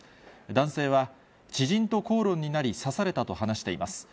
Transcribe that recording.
男性は、知人と口論になり、刺されたと話しています。